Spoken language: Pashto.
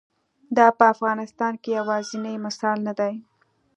دا په افغانستان کې یوازینی مثال نه دی.